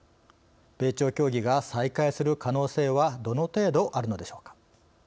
米朝協議が再開する可能性はどの程度あるのでしょうか。